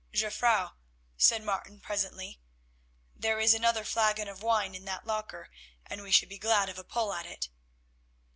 "Jufvrouw," said Martin presently, "there is another flagon of wine in that locker, and we should be glad of a pull at it."